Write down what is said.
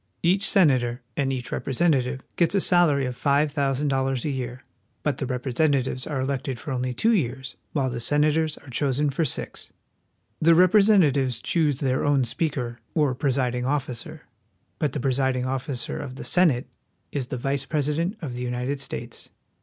Each senator and each representative gets a salary of five thousand dollars a year; but the representatives are elected for only two years, while the senators are chosen for six. The representatives choose their own Speaker, or presiding officer; but the presiding officer of the Senate is the Vice President of the United States. A Page. THE SUPREME COURT.